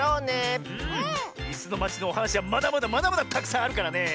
「いすのまち」のおはなしはまだまだまだまだたくさんあるからね！